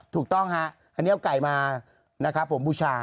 ถูกต้องฮะอันนี้เอาไก่มานะครับผมบูชา